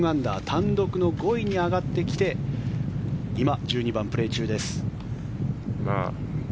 単独の５位に上がってきて今、１２番プレー中です。